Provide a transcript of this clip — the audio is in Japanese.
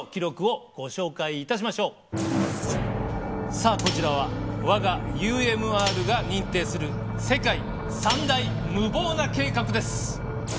さあこちらは我がＵＭＲが認定する「世界三大無謀な計画」です。